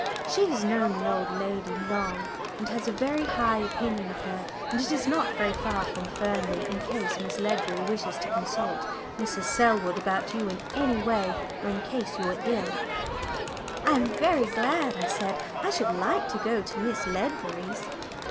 She has known the old lady long and has a very high opinion of her, and it is not very far from Fernley in case Miss Ledbury wished to consult Mrs. Selwood about you in any way, or in case you were ill." "I am very glad," I said. "I should like to go to Miss Ledbury's."